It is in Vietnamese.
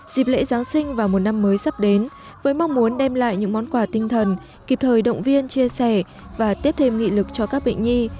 dịp lễ giáng sinh và một năm mới sắp đến với mong muốn đem lại những món quà tinh thần kịp thời động viên chia sẻ và tiếp thêm nghị lực cho các bệnh nhi